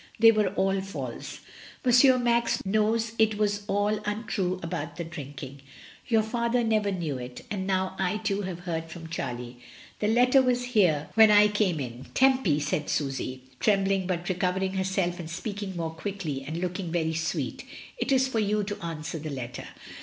They were all false. Monsieur Max knows it was all untrue abont the drinking. Your father never knew it, and now I too have heard from Charlie — the letter was h&t when I came in. Tempy," said Susy, trembling, but recovering herself and speaking more quickly, and looking very sweet, "it is for you to answer the letter.